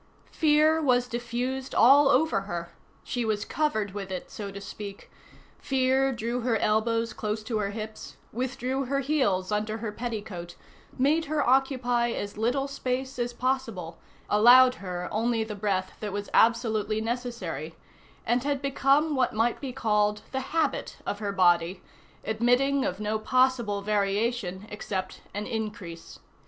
Fear was diffused all over her; she was covered with it, so to speak; fear drew her elbows close to her hips, withdrew her heels under her petticoat, made her occupy as little space as possible, allowed her only the breath that was absolutely necessary, and had become what might be called the habit of her body, admitting of no possible variation except an increase.